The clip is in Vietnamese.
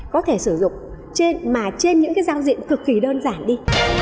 có thể sử dụng mà trên những cái giao diện cực kỳ đơn giản đi